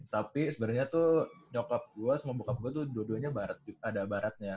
tapi sebenarnya tuh nyokap gue sama bokap gue tuh dua duanya ada baratnya